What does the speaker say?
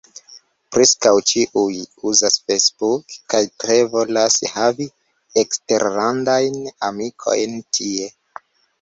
Preskaŭ ĉiuj uzas Facebook, kaj tre volas havi eksterlandajn amikojn tie.